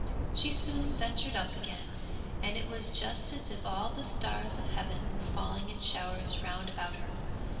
She soon ventured up again, and it was just as if all the stars of heaven were falling in showers round about her.